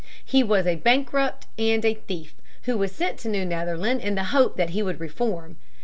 He was a bankrupt and a thief, who was sent to New Netherland in the hope that he would reform.